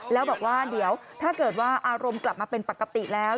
แล้วบอกว่าเดี๋ยวถ้าเกิดว่าอารมณ์กลับมาเป็นปกติแล้ว